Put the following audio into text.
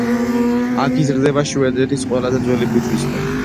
აქ იზრდება შვედეთის ყველაზე ძველი ფიჭვის ხე.